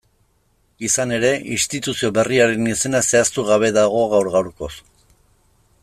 Izan ere, instituzio berriaren izena zehaztugabe dago gaur-gaurkoz.